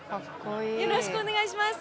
よろしくお願いします。